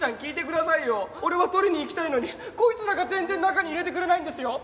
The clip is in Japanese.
俺は取りに行きたいのにこいつらが全然中に入れてくれないんですよ！